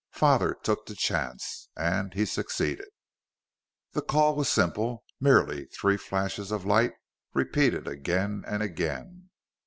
Father took the chance. And he succeeded. "The call was simple: merely three flashes of light, repeated again and again.